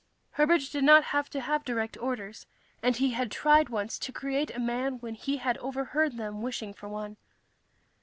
Herbert did not have to have direct orders, and he had tried once to create a man when he had overheard them wishing for one.